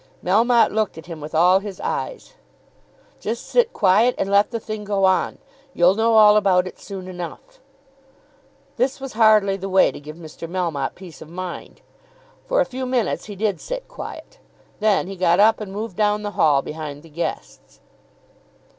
Melmotte looked at him with all his eyes. "Just sit quiet and let the thing go on. You'll know all about it soon enough." This was hardly the way to give Mr. Melmotte peace of mind. For a few minutes he did sit quiet. Then he got up and moved down the hall behind the guests.